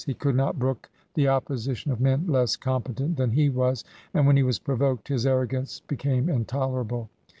He could not brook the opposition of men less competent than he was, and when he was provoked his arrogance be came intolerable.